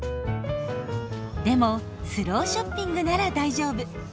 でもスローショッピングなら大丈夫。